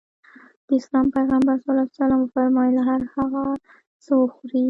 د اسلام پيغمبر ص وفرمايل هر هغه څه وخورې.